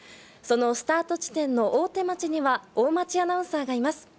そのスタート地点の大手町には大町アナウンサーがいます。